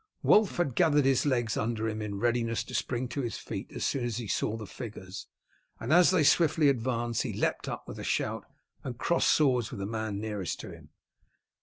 Wulf had gathered his legs under him in readiness to spring to his feet as soon as he saw the figures, and as they swiftly advanced he leapt up with a shout and crossed swords with the man nearest to him.